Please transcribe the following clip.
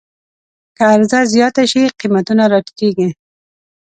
که عرضه زیاته شي، قیمتونه راټیټېږي.